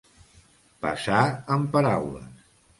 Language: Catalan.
Passar amb paraules.